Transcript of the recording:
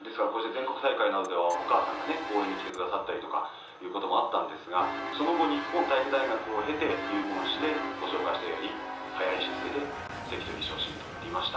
全国大会などで、お母さんが応援に来てくださったりということもあったんですがその後、日本体育大学を経て入門してご紹介したように早い出世で関取に昇進されました。